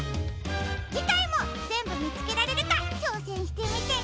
じかいもぜんぶみつけられるかちょうせんしてみてね！